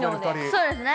そうですね。